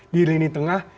di lini tengah